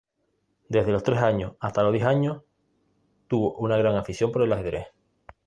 Desde los tres hasta los diez años tuvo una gran afición por el ajedrez.